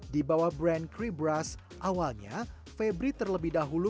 di bawah brand kribras awalnya febri terlebih dahulu